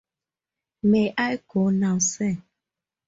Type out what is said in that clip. May I go now, sir?